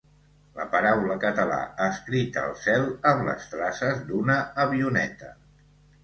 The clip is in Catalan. La paraula ‘català’ escrita al cel amb les traces d’una avioneta.